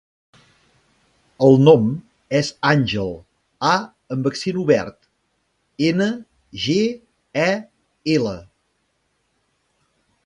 El nom és Àngel: a amb accent obert, ena, ge, e, ela.